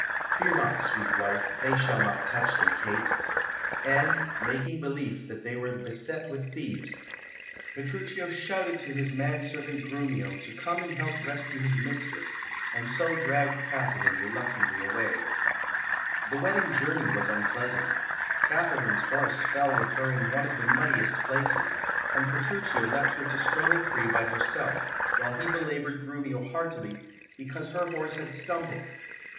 Fear not, sweet wife, they shall not touch thee, Kate!" And, making belief that they were beset with thieves, Petruchio shouted to his man servant Grumio to come and help rescue his mistress, and so dragged Katharine reluctantly away. [Illustration: "Fear not, they shall not touch thee, Kate!"] The wedding journey was unpleasant. Katharine's horse fell with her in one of the muddiest places, and Petruchio left her to struggle free by herself, while he belaboured Grumio heartily because her horse had stumbled.